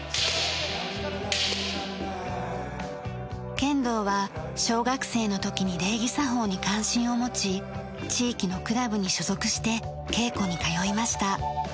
剣道は小学生の時に礼儀作法に関心を持ち地域のクラブに所属して稽古に通いました。